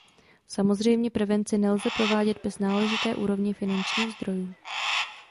Samozřejmě prevenci nelze provádět bez náležité úrovně finančních zdrojů.